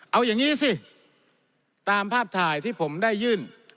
เอาอย่างนี้สิตามภาพถ่ายที่ผมได้ยื่น